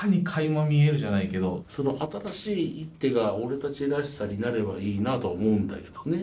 その新しい一手が俺たちらしさになればいいなとは思うんだけどね。